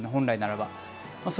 本来なら。